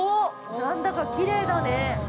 何だかきれいだね。